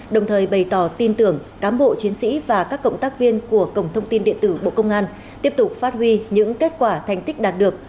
đồng thời bày tỏ tin tưởng cám bộ chiến sĩ và các cộng tác viên của cổng thông tin điện tử bộ công an tiếp tục phát huy những kết quả thành tích đạt được